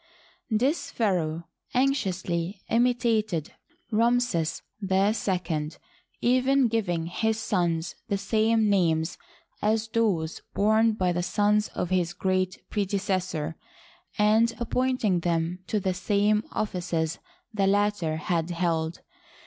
This pharaoh anxiously imitated Ramses II, even giving his sons the same names as those borne by the sons of his great predecessor, and appointing them to the same offices the latter had held.